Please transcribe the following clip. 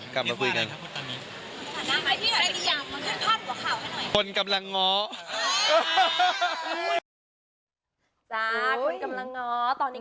คุณความยังไงครับคุณตามนี้